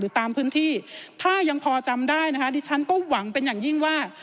ตามพื้นที่ถ้ายังพอจำได้นะคะดิฉันก็หวังเป็นอย่างยิ่งว่า